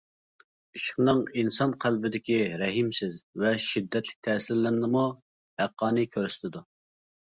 ئىشقنىڭ ئىنسان قەلبىدىكى رەھىمسىز ۋە شىددەتلىك تەسىرلىرىنىمۇ ھەققانىي كۆرسىتىدۇ.